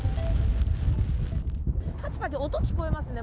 ぱちぱち音聞こえますね。